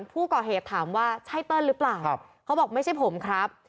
ผู้ก่อเหตุถามว่าใช่เติ้ลหรือเปล่าเขาบอกไม่ใช่ผมครับ